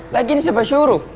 lagi ini siapa suruh